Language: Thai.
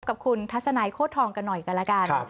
กลับกับคุณทัศไนท์โคตรทองกันหน่อยกันละกัน